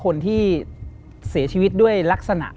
คนที่เสียชีวิตด้วยลักษณะ